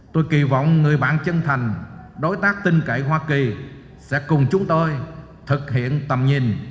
tôi kỳ vọng người bạn chân thành đối tác tin cậy hoa kỳ sẽ cùng chúng tôi thực hiện tầm nhìn